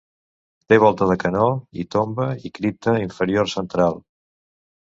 Té volta de canó i tomba i cripta inferior central.